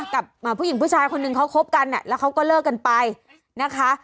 กับผู้หญิงผู้ชายคนหนึ่งเขาคบกันแล้วเขาก็เลิกกันไปนะคะ